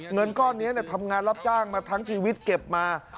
เงินก้อนนี้ทำงานรับจ้างมาทั้งชีวิตเก็บมา